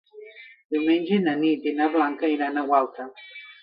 Diumenge na Nit i na Blanca iran a Gualta.